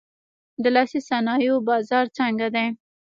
د لاسي صنایعو بازار څنګه دی؟